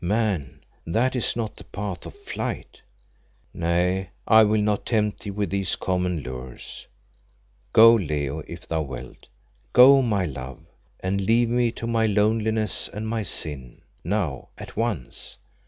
Man, that is not the path of flight. "Nay, I will not tempt thee with these common lures. Go, Leo, if thou wilt. Go, my love, and leave me to my loneliness and my sin. Now at once.